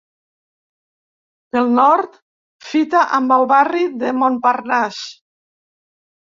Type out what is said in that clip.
Pel nord, fita amb el barri de Montparnasse.